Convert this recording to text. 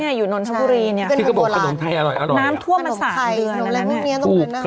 เนี่ยอยู่นนทะพุรีเนี่ยที่เขาบอกขนมไทยอร่อยอร่อยอ่ะน้ำทั่วมาสระทั้งเดือนแล้วนั่นแหละ